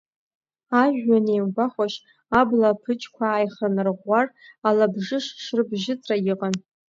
Ажәҩан еимгәахәашь, абла аԥыџьқәа ааиханарӷәӷәар, алабжыш шрыбжьыҵра иҟан.